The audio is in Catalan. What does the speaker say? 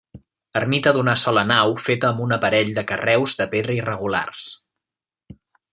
Ermita d'una sola nau feta amb un aparell de carreus de pedra irregulars.